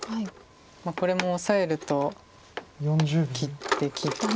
これもオサえると切って切って。